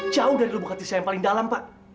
jauh dari lubuk hati saya yang paling dalam pak